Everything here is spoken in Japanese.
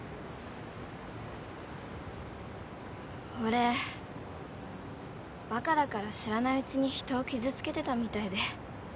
俺バカだから知らないうちに人を傷つけてたみたいで。